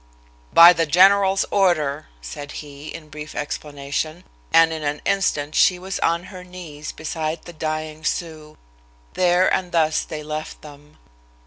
"By the general's order," said he, in brief explanation, and in an instant she was on her knees beside the dying Sioux. There and thus they left them.